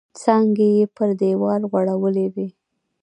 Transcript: څانګې یې پر دیوال غوړولي وې.